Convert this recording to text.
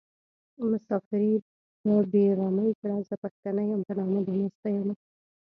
مساپري په بې غمي کړه زه پښتنه يم په نامه دې ناسته يمه